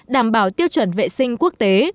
đảm bảo tiêu chuẩn vệ sinh quốc tế